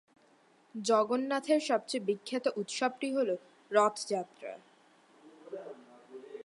জগন্নাথের সবচেয়ে বিখ্যাত উৎসবটি হল রথযাত্রা।